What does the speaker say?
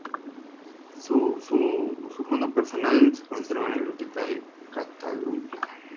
Su fondo personal se conserva en la Biblioteca de Catalunya.